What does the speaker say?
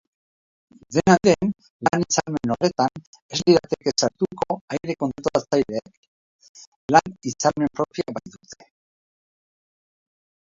Dena den, lan-hitzarmen horretan ez lirateke sartuko aire-kontrolatzaileak, lan-hitzarmen propioa baitute.